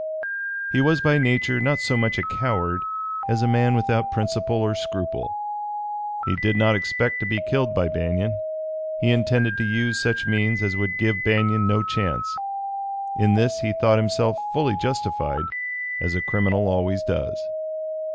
He was by nature not so much a coward as a man without principle or scruple. He did not expect to be killed by Banion. He intended to use such means as would give Banion no chance. In this he thought himself fully justified, as a criminal always does.